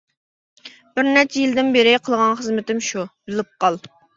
بىر نەچچە يىلدىن بېرى قىلغان خىزمىتىم شۇ، بىلىپ قال.